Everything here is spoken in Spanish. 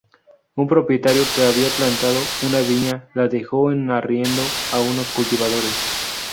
Un propietario que había plantado una viña la dejó en arriendo a unos cultivadores.